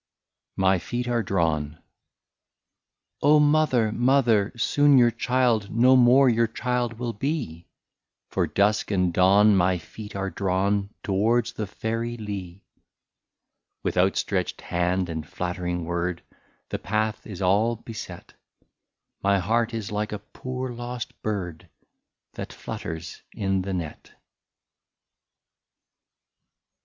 MY FEET ARE DRAWN. " Oh ! Mother, Mother, soon your child No more your child will be, For dusk and dawn my feet are drawn Towards the fairy lea. ^' With outstretched hand and flattering word The path is all beset ; My heart is like a poor lost bird, That flutters in the net.'